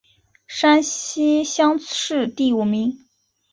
山西乡试第五名。